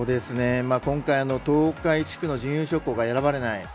今回、東海地区の準優勝校が選ばれない。